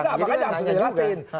nah apakah yang harus dijelasin